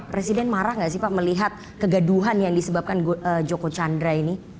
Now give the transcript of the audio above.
presiden marah nggak sih pak melihat kegaduhan yang disebabkan joko chandra ini